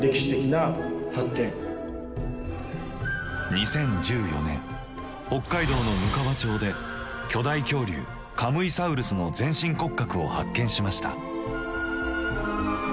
２０１４年北海道のむかわ町で巨大恐竜カムイサウルスの全身骨格を発見しました。